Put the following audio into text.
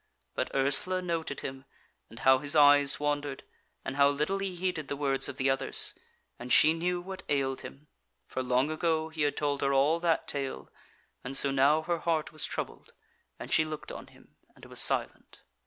But Ursula noted him, and how his eyes wandered, and how little he heeded the words of the others, and she knew what ailed him, for long ago he had told her all that tale, and so now her heart was troubled, and she looked on him and was silent.